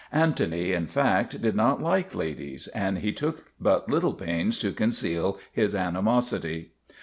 Antony, in fact, did not like ladies and he took but little pains to conceal his animosity.